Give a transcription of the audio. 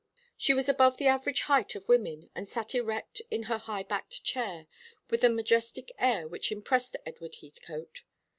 She was above the average height of women, and sat erect in her high backed chair with a majestic air which impressed Edward Heathcote.